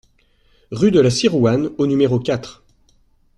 Rue de la Sirouanne au numéro quatre